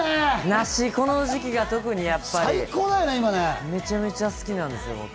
梨、この時期がやっぱり、めちゃめちゃ好きなんですよ、僕。